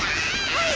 はい！